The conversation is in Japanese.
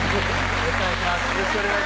よろしくお願いします